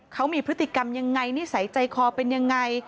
เขามีพฤติกรรมยังไงนิสัยใจคอเป็นยังไง